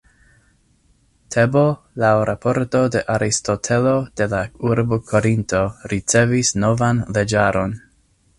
Tebo laŭ raporto de Aristotelo de la urbo Korinto ricevis novan leĝaron.